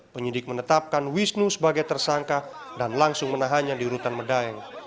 penyidik menetapkan wisnu sebagai tersangka dan langsung menahannya di rutan medaeng